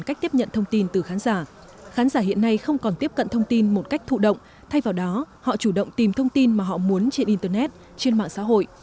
các hiện nay không còn tiếp cận thông tin một cách thụ động thay vào đó họ chủ động tìm thông tin mà họ muốn trên internet trên mạng xã hội